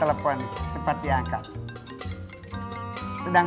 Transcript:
enggak abang enggak usah abang